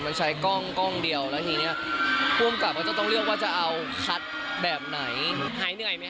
มันใช้กล้องกล้องเดียวนะนี่เนี้ยว่าจะต้องเลือกว่าจะเอาคัดแบบไหน